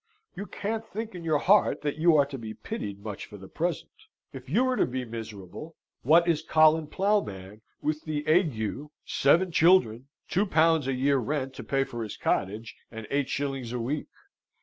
You can't think in your heart that you are to be pitied much for the present. If you are to be miserable, what is Colin Ploughman, with the ague, seven children, two pounds a year rent to pay for his cottage, and eight shillings a week?